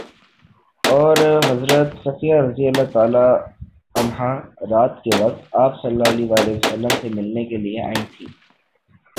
اور حضرت صفیہ رضی اللہ عنہا رات کے وقت آپ صلی اللہ علیہ وسلم سے ملنے کے لیے آئی تھیں